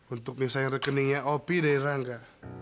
untuk misalnya rekeningnya op dari rangga